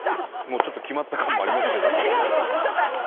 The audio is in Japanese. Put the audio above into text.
もうちょっと決まった感もありますけども。